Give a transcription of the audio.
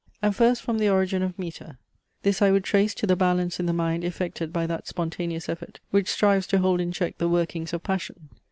And first from the origin of metre. This I would trace to the balance in the mind effected by that spontaneous effort which strives to hold in check the workings of passion.